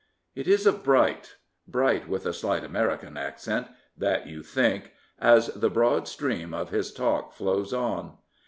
It is of Bright — Bright with a slight American accent — that you think as the broad stream of his talk flows on.